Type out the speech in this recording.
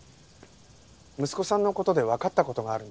息子さんの事でわかった事があるんです。